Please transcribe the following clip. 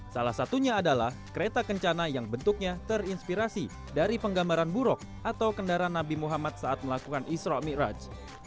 salah satunya adalah kereta kencana yang bentuknya terinspirasi dari penggambaran burok atau kendaraan nabi muhammad saat melakukan isra' mi'raj